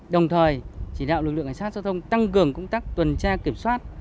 đồng thời chỉ đạo lực lượng cảnh sát giao thông tăng cường công tác tuần tra kiểm soát